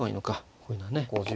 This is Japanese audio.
こういうのはね。